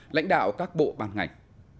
lãnh đạo các bộ ban ngành